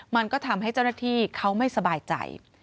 มันก็ทำให้เจ้าหน้าที่เขาไม่สบายใจ